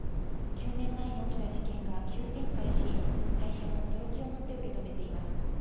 ９年前に起きた事件が急展開し、会社も驚きをもって受け止めています。